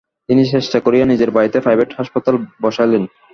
তিনি চেষ্টা করিয়া নিজের বাড়িতে প্রাইভেট হাসপাতাল বসাইলেন।